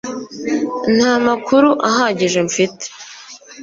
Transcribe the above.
Nta makuru ahagije mfite